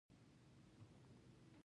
سندره د احساساتو خلاصول ده